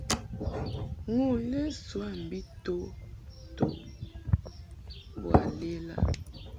Nu lesoa mbi to nto boa lela.